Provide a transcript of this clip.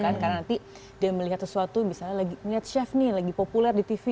karena nanti dia melihat sesuatu misalnya lihat chef nih lagi populer di tv